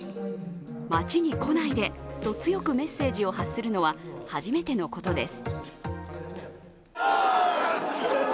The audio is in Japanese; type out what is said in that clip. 街に来ないでと強くメッセージを発するのは初めてのことです。